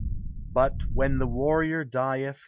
But, when the warrior dieth.